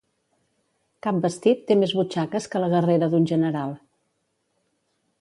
Cap vestit té més butxaques que la guerrera d'un general.